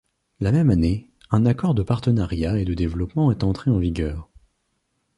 La même année, un accord de partenariat et de développement est entré en vigueur.